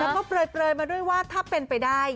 แล้วก็เปลยมาด้วยว่าถ้าเป็นไปได้